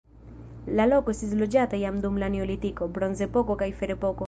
La loko estis loĝata jam dum la neolitiko, bronzepoko kaj ferepoko.